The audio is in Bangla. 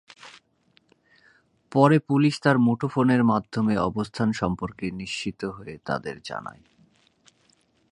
পরে পুলিশ তাঁর মুঠোফোনের মাধ্যমে অবস্থান সম্পর্কে নিশ্চিত হয়ে তাঁদের জানায়।